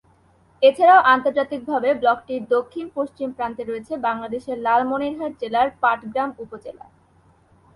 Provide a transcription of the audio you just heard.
এছাড়াও আন্তর্জাতিকভাবে ব্লকটির দক্ষিণ পশ্চিম প্রান্তে রয়েছে বাংলাদেশের লালমনিরহাট জেলার পাটগ্রাম উপজেলা।